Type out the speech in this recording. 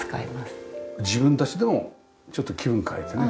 自分たちでもちょっと気分変えてね